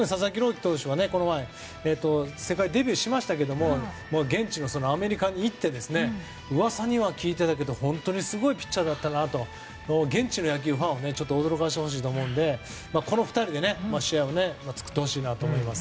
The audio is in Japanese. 希投手はこの前、世界デビューしましたがもう現地のアメリカに行って噂には聞いてたけど本当にすごいピッチャーだったなと現地の野球ファンを驚かせてほしいのでこの２人で試合を作ってほしいなと思います。